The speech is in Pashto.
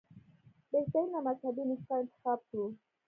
بهترینه مذهبي نسخه انتخاب کړو.